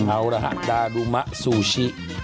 เอาละฮะดารุมะซูชิ